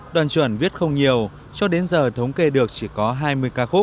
đoàn chuẩn viết không nhiều cho đến giờ thống kê được chỉ có hai mươi ca khúc